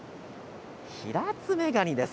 ヒラツメガニです。